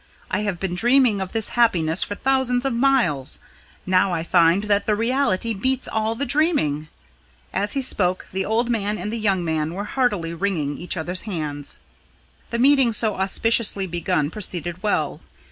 I have been dreaming of this happiness for thousands of miles; now I find that the reality beats all the dreaming!" As he spoke the old man and the young one were heartily wringing each other's hands. The meeting so auspiciously begun proceeded well.